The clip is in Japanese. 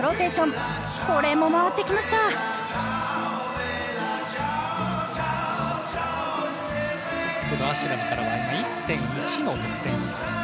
トップのアシュラムからは１．１の得点差。